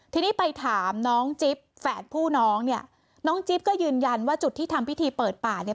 ทีนี้ไปถามน้องจิ๊บแฝดผู้น้องเนี่ยน้องจิ๊บก็ยืนยันว่าจุดที่ทำพิธีเปิดป่าเนี่ย